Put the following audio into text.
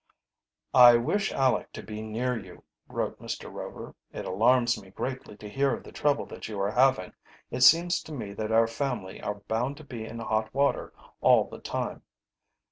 "I wish Aleck to be near you," wrote Mr. Rover. "It alarms me greatly to hear of the trouble that you are having. It seems to me that our family are bound to be in hot water all the time.